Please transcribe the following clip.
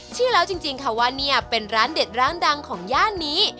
เชื่อแล้วจริงค่ะว่าเนี่ยเป็นร้านเด็ดร้านดังของย่านนี้